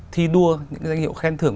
thi đua những cái danh hiệu khen thưởng